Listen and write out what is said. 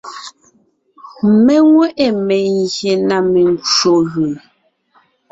Mé nwé ʼe mengyè na mencwò gʉ.